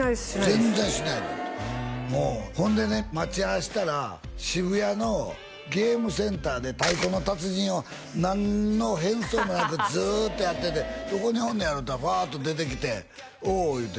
全然しないねんてほんでね待ち合わせたら渋谷のゲームセンターで太鼓の達人を何の変装もなくずーっとやっててどこにおんのやろったらふぁっと出てきて「おう」